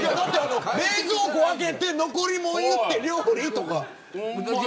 冷蔵庫開けて残りもん言うて料理とか。